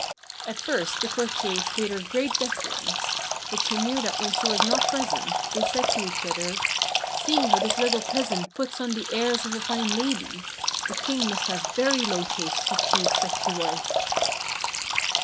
At first the courtiers paid her great deference, but she knew that when she was not present, they said to each other: "See how this little peasant puts on the airs of a fine lady! The King must have very low taste to choose such a wife!"